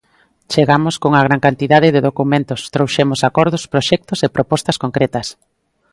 Chegamos cunha gran cantidade de documentos, trouxemos acordos, proxectos e propostas concretas.